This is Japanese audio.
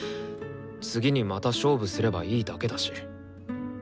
次にまた勝負すればいいだけだし。